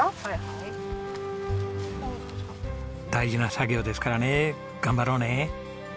大事な作業ですからね頑張ろうね。